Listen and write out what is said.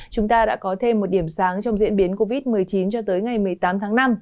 chúng ta đã có thêm một điểm sáng trong diễn biến covid một mươi chín cho tới ngày một mươi tám tháng năm